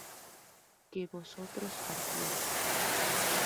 que vosotros partierais